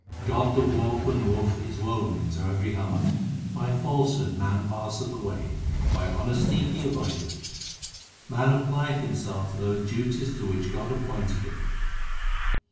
God the warp and woof is woven into every heart. By falsehood man passe th away, by honesty he abideth. Man applieth himself to those duties to which God appointed him.